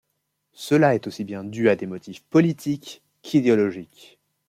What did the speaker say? Cela est aussi bien dû à des motifs politiques qu'idéologiques.